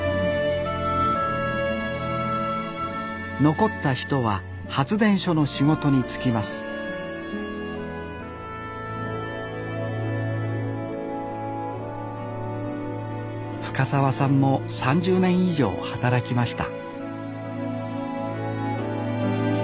残った人は発電所の仕事に就きます深沢さんも３０年以上働きました